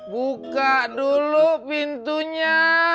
buka dulu pintunya